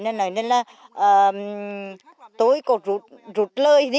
nên là tôi có rút lời đi